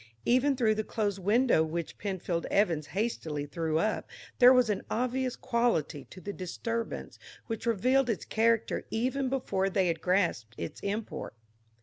Even through the closed window which Penfield Evans hastily threw up, there was an obvious quality to the disturbance which revealed its character even before they had grasped its import.